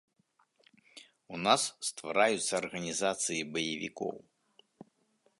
У нас ствараюцца арганізацыі баевікоў.